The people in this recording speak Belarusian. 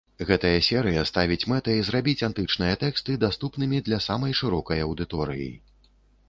Гэта серыя ставіць мэтай зрабіць антычныя тэксты даступнымі для самай шырокай аўдыторыі.